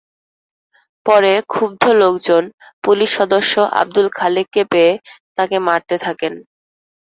পরে ক্ষুব্ধ লোকজন পুলিশ সদস্য আবদুল খালেককে পেয়ে তাঁকে মারতে থাকেন।